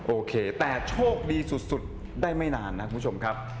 โอเคแต่โชคดีสุดได้ไม่นานนะคุณผู้ชมครับ